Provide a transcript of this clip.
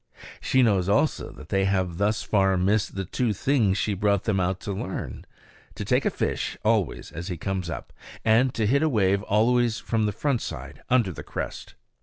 She knows also that they have thus far missed the two things she brought them out to learn: to take a fish always as he comes up; and to hit a wave always on the front side, under the crest.